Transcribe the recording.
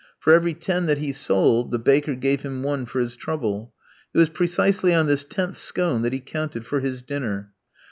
For every ten that he sold, the baker gave him one for his trouble. It was precisely on this tenth scone that he counted for his dinner.